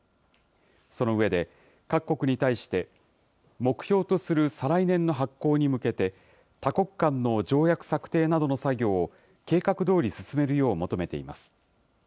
その上で、各国に対して、目標とする再来年の発効に向けて、多国間の条約策定などの作業を計画どおり進めるよう求めています。